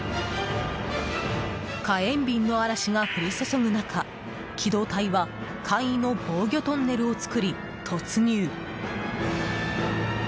火炎瓶の嵐が降り注ぐ中機動隊は簡易の防御トンネルを作り、突入。